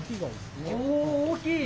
大きい。